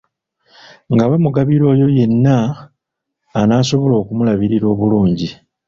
Nga bamugabira oyo yenna anasobola okumulabirira obulungi.